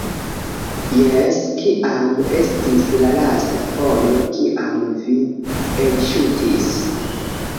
Jes kiam estis la lasta fojo kiam vi elŝutis?